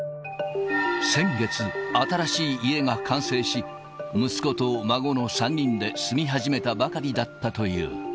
先月、新しい家が完成し、息子と孫の３人で住み始めたばかりだったという。